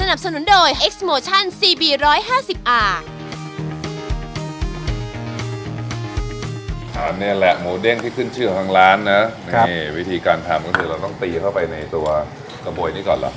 อันนี้แหละหมูเด้งที่ขึ้นชื่อของทางร้านนะนี่วิธีการทำก็คือเราต้องตีเข้าไปในตัวกระบวยนี้ก่อนเหรอ